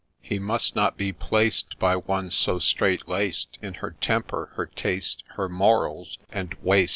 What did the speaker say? He must not be placed By one so strait laced In her temper, her taste, her morals, and waist.